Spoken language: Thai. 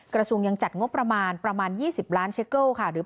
กระทรวงยังจัดงบประมาณประมาณยี่สิบล้านเช็กเกิลค่ะหรือ